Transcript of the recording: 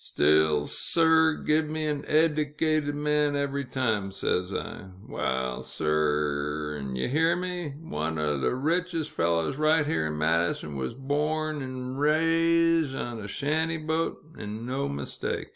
Still, sir r, give me an eddicated man every time, says I. Waal, sir r, 'n' ye hear me, one o' th' richest fellers right here in Madison, wuz born 'n' riz on a shanty boat, 'n' no mistake.